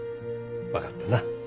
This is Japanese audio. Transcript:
分かったな？